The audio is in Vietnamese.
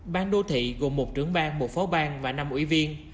ban đô thị gồm một trưởng bang một phó bang và năm ủy viên